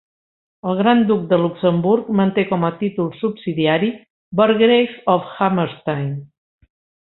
El gran duc de Luxemburg manté com a títol subsidiari "Burgrave of Hammerstein".